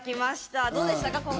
どうでしたか？